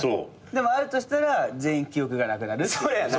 でもあるとしたら全員記憶がなくなるっていう。